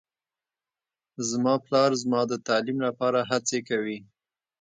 زما پلار زما د تعلیم لپاره هڅې کوي